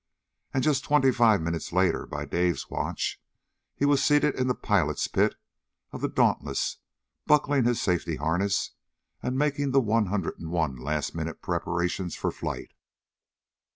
And just twenty five minutes later by Dave's watch he was seated in the pilot's pit of the Dauntless buckling his safety harness, and making the one hundred and one last minute preparations for flight.